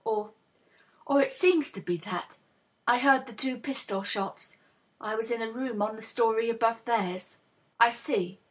Or— or it seems to be that. I heard the two pistol shots. I was in a room on the story above theirs." " I see.